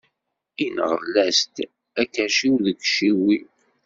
Inɣel-as-d, akerciw deg iciwi.